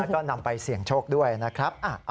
ก็นำไปเสี่ยงโชคด้วยนะครับ